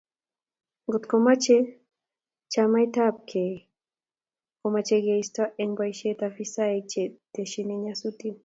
Ngotkemoche chametabgei komochei keisto eng boisiet afisaek che testyin nyasutik